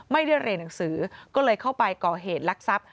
ไม่ได้เรียนหนังสือก็เลยเข้าไปก่อเหตุลักษัพ